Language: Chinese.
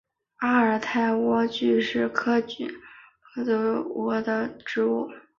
阿尔泰莴苣是菊科莴苣属的植物。